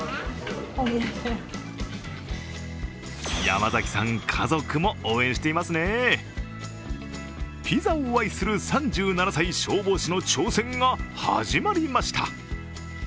山崎さん、家族も応援していますねピザを愛する３７歳、消防士の挑戦が始まりました。